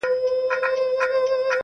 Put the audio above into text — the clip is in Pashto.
• ستا له تنګ نظره جُرم دی ذاهده..